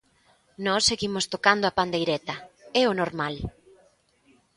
Nós seguimos tocando a pandeireta, é o normal.